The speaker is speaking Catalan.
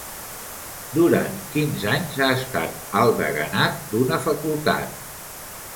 Durant quins anys ha estat al deganat d'una facultat?